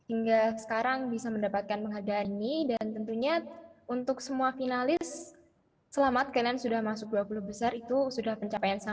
oke sekarang seperti biasa di juara satunya kita sudah punya bernadetta